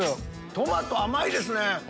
トマト甘いですね。